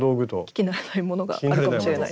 聞き慣れないものがあるかもしれないです。